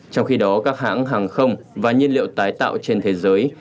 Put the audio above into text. trong khi đó các hãng hàng không và nhiên liệu tái tạo trên thế giới